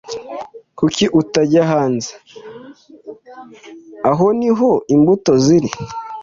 Kuki utajya hanze? Aho niho imbuto ziri.